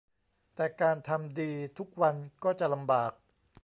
แต่การทำดีทุกวันก็จะลำบาก